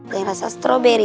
yang rasa stroberi